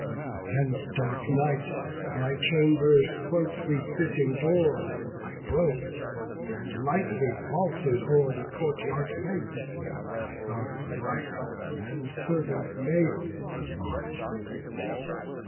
The tenth dark night My chamber's closely fitting doors I broke, And lightly vaulted o'er the court yard fence, By guards alike and servant maids unmark'd.